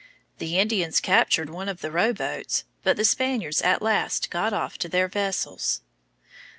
The Indians captured one of the rowboats, but the Spaniards at last got off to their vessels.